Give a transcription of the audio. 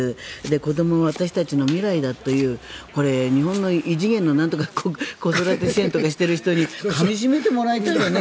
子どもは私たちの未来だというこれ、日本の異次元のなんとか子育て支援とかしてる人にかみ締めてもらいたいよね